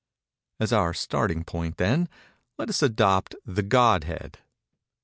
As our starting point, then, let us adopt the Godhead.